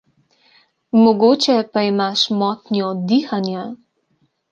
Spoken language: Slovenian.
Mogoče pa imaš motnjo dihanja.